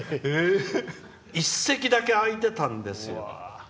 １席だけ空いてたんですよ。